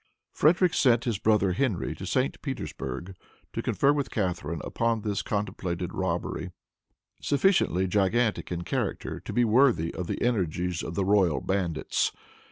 Frederic sent his brother Henry to St. Petersburg to confer with Catharine upon this contemplated robbery, sufficiently gigantic in character to be worthy of the energies of the royal bandits.